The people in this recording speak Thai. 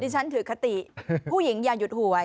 ฉันถือคติผู้หญิงอย่าหยุดหวย